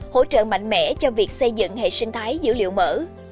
hỗ trợ mạnh mẽ cho việc xây dựng hệ sinh thái dữ liệu mở